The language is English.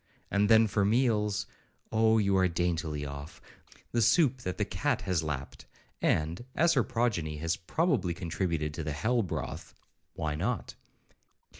—And then for meals—Oh you are daintily off!—The soup that the cat has lapped; and (as her progeny has probably contributed to the hell broth) why not?